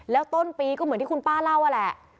แล้วต้นปีก็เหมือนที่คุณป้าเล่านั่นแหละ